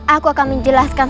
aku akan menjelaskan